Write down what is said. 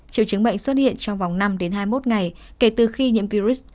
triệu chứng bệnh xuất hiện trong vòng năm đến hai mươi một ngày kể từ khi nhiễm virus